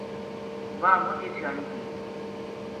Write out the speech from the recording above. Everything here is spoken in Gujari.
واہ مُچ ہی سیانی تھی